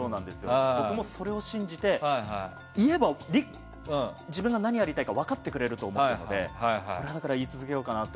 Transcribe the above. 僕も、それを信じて言えば自分が何をやりたいか分かってくれると思ったので言い続けようかなと。